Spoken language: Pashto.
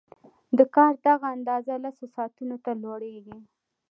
د کار دغه اندازه لسو ساعتونو ته لوړېږي